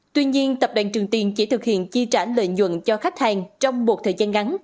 tuy nhiên tập đoàn trường tiền chỉ thực hiện chi trả lợi nhuận cho khách hàng trong một thời gian ngắn